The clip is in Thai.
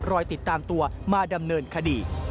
ติดตามตัวมาดำเนินคดี